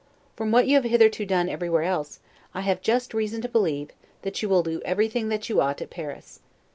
From what you have hitherto done everywhere else, I have just reason to believe, that you will do everything that you ought at Paris.